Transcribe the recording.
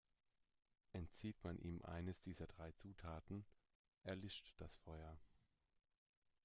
Entzieht man ihm eines dieser drei Zutaten, erlischt das Feuer.